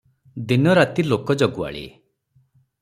ଦିନ ରାତି ଲୋକ ଜଗୁଆଳି ।